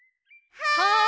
はい！